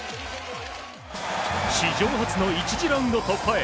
史上初の１次ラウンド突破へ。